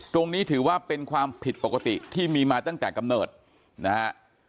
ถือว่าเป็นความผิดปกติที่มีมาตั้งแต่กำเนิดนะฮะ